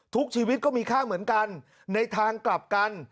ทุกชีวิตก็มีค่าเหมือนกันในทางกลับกัน